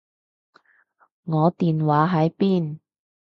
我電話喺邊？